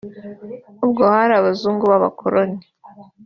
ubwo hari abazungu b’abakoloni